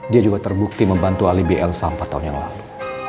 dia juga terbukti membantu alibi l sampai tahun yang lalu